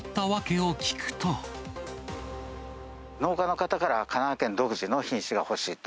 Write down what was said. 農家の方から、神奈川県独自の品種が欲しいと。